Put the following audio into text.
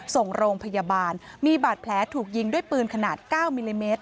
ส่งโรงพยาบาลมีบาดแผลถูกยิงด้วยปืนขนาด๙มิลลิเมตร